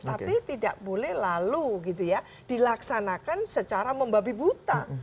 tapi tidak boleh lalu dilaksanakan secara membabi buta